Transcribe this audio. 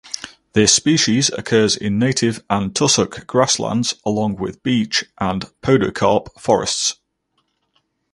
This species occurs in native and tussock grasslands along with beech and podocarp forests.